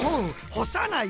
ほさない！